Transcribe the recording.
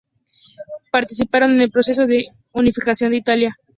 Participaron en el proceso de unificación de Italia.